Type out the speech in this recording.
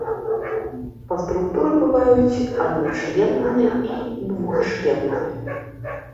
Па структуры бываюць адначленныя і двухчленныя.